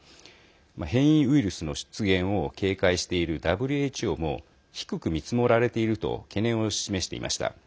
変異ウイルスの出現を警戒しているＷＨＯも低く見積もられていると懸念を示していました。